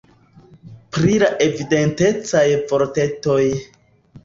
Pri la "Evidentecaj" vortetoj